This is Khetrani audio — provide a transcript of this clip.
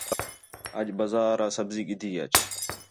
اڄ بازارا سبزی گِھدی اچ